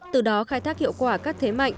từ đó khai thác hiệu quả các thế mạnh